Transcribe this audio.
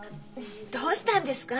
どうしたんですか？